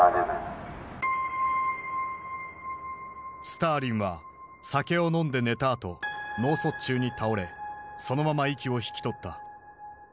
スターリンは酒を飲んで寝たあと脳卒中に倒れそのまま息を引き取った。